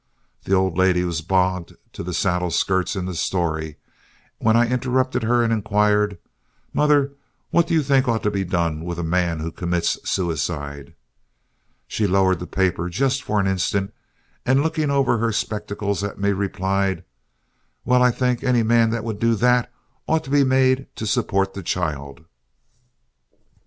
The old lady was bogged to the saddle skirts in the story, when I interrupted her and inquired, 'Mother, what do you think ought to be done with a man who commits suicide?' She lowered the paper just for an instant, and looking over her spectacles at me replied, 'Well, I think any man who would do THAT ought to be made to support the child.'"